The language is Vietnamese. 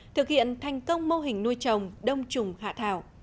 thực hiện thành công mô hình nuôi trồng đông trùng hạ thảo